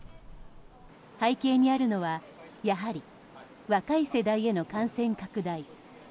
背景にあるのはやはり若い世代への感染拡大。